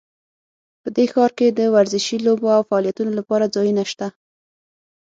په دې ښار کې د ورزشي لوبو او فعالیتونو لپاره ځایونه شته